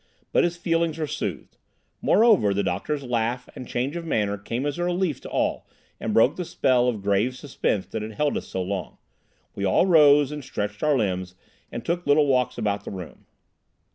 But his feelings were soothed. Moreover, the doctor's laugh and change of manner came as a relief to all, and broke the spell of grave suspense that had held us so long. We all rose and stretched our limbs, and took little walks about the room.